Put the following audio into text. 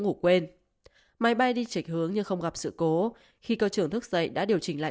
ngủ quên máy bay đi trịch hướng nhưng không gặp sự cố khi cơ trưởng thức dậy đã điều chỉnh lại